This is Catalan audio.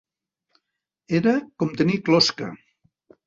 Era com tenir closca.